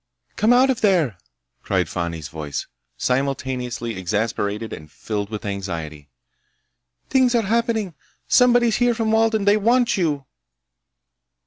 "Come out of there!" cried Fani's voice, simultaneously exasperated and filled with anxiety. "Things are happening! Somebody's here from Walden! They want you!"